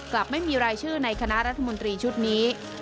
กลับไม่มีรายชื่อในคณะรัฐมนตรีชุดนี้